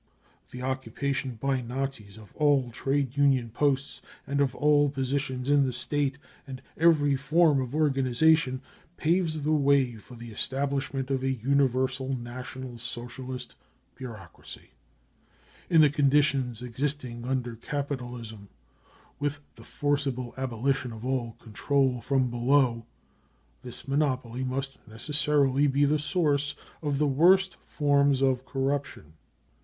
The occupation by Nazis of ail trade union posts and of all positions in the State and DESTRUCTION OF WORKERS 9 ORGANISATIONS I59 every form of organisation paves the way for the establish *ment of a universal National Socialist bureaucracy. In the conditions existing under capitalism, with the forcible abolition of all control from below, this monopoly must necessarily be the source of the worst forms of corruption.